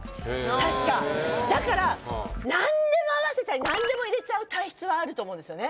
確かだから何でも合わせたり何でも入れちゃう体質はあると思うんですよね